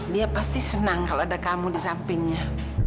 dia pasti senang kalau ada kamu di sampingnya